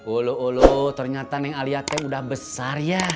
uloh oloh ternyata yang aliatnya udah besar ya